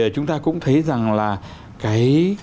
chúng ta cũng thấy rằng là cái